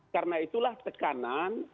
karena itulah tekanan